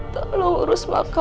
tolong urus makamku kak